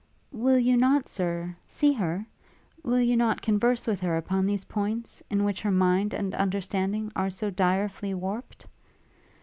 'Will you not, Sir, see her? Will you not converse with her upon these points, in which her mind and understanding are so direfully warped?'